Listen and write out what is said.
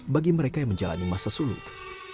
bagi mereka yang menjalani masa suluk